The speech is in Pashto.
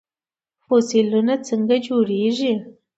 فوسیلونه څنګه جوړیږي؟